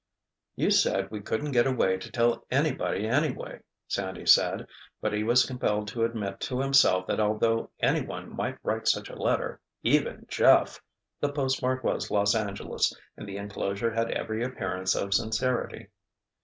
"You said we couldn't get away to tell anybody anyway," Sandy said, but he was compelled to admit to himself that although anyone might write such a letter—even Jeff!—the postmark was Los Angeles and the enclosure had every appearance of sincerity.